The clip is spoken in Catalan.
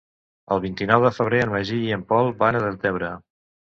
El vint-i-nou de febrer en Magí i en Pol van a Deltebre.